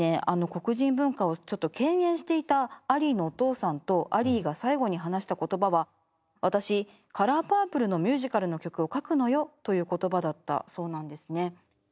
あの黒人文化をちょっと倦厭していたアリーのお父さんとアリーが最期に話した言葉は「私『カラーパープル』のミュージカルの曲を書くのよ」という言葉だったそうなんですね。